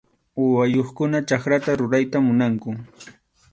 Uywayuqkuna chakrata rurayta munanku.